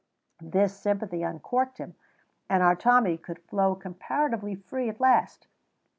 This sympathy uncorked him, and our Tommy could flow comparatively freely at last.